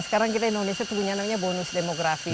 sekarang kita indonesia punya namanya bonus demografi